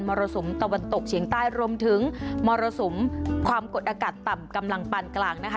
รสุมตะวันตกเฉียงใต้รวมถึงมรสุมความกดอากาศต่ำกำลังปานกลางนะคะ